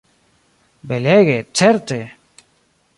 Belege, certe!